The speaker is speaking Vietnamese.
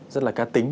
rất là cá tính